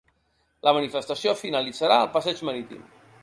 La manifestació finalitzarà al passeig marítim.